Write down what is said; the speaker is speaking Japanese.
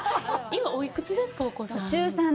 今、お幾つですか、お子さん。